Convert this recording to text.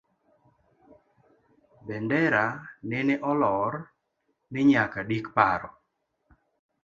Bendera nene olor, ni nyaka dik paro